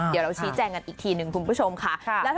เดี๋ยวเราชี้แจงกันอีกทีหนึ่งคุณผู้ชมค่ะ